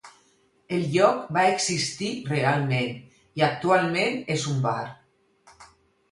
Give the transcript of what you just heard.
El lloc va existir realment i actualment és un bar.